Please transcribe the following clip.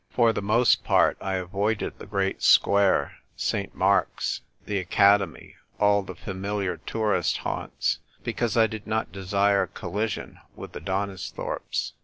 For the most part, I avoided the great square, St. Mark's, the Academy — all the familiar tourist haunts — because I did not desire collision with the Donisthorpes.